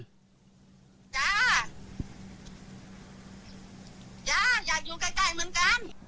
จ้ายาอยากอยู่ใกล้ใกล้เหมือนกัน